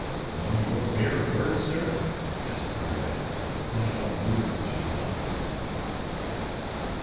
"On your bare word, sir?" asked Carteret, not at all moved by this outburst.